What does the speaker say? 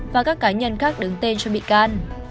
và các cá nhân khác đứng tên cho bị can